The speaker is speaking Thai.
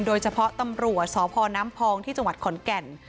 โดยเฉพาะตำรวจสพน้ำพองที่จังหวัดขอนแก่น